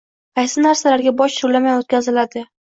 Qaysi narsalarga boj to'lamay o'tkaziladi?